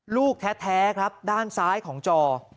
ลูกแท้ครับด้านซ้ายของจอ